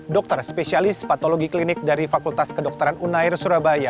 dokter spesialis patologi klinik dari fakultas kedokteran unair surabaya